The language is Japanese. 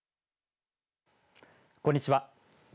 こんにちは。